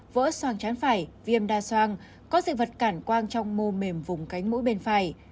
vỡ soang trán phải viêm đa soang có dị vật cản quang trong mô mềm vùng cánh mũi bên phải